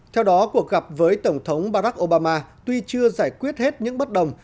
theo đó cuộc gặp với tổng thống barack obama tuy chưa giải quyết hết những bất đồng